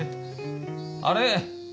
あれ？